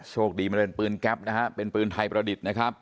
โชคดีมันเป็นปืนแก๊ปนะฮะเป็นปืนไทยประดิษฐ์นะครับ